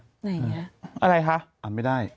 อ่านออกไม่ได้